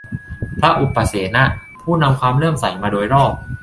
พระอุปเสนะ ผู้นำความเลื่อมใสมาโดยรอบ